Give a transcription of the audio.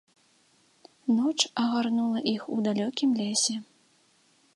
Ноч агарнула іх у далёкім лесе.